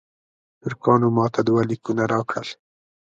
ترکانو ماته دوه لیکونه راکړل.